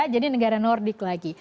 jadi negara nordic lagi